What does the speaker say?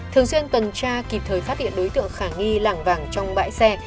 thường xuyên tuần tra kịp thời phát hiện đối tượng khả nghi làng vàng trong bãi xe